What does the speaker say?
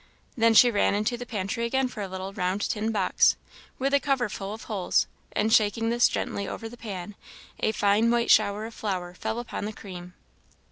Then she ran into the pantry again for a little round tin box, with a cover full of holes, and shaking this gently over the pan, a fine white shower of flour fell upon the cream.